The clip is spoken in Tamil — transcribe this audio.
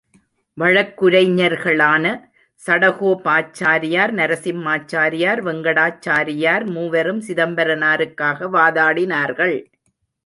வழக்குரைஞர்களான சடகோபாச்சாரியார், நரசிம்மாச்சாரியார், வேங்கடாச்சாரியார் மூவரும் சிதம்பரனாருக்காக வாதாடினார்கள்.